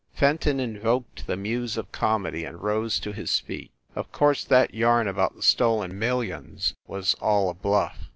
Fenton invoked the muse of comedy, and rose to his feet. "Of course that yarn about the stolen mil lions was all a bluff.